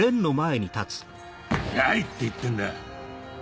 やいって言ってんだ！